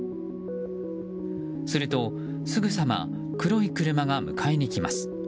すると、すぐさま黒い車が迎えに来ます。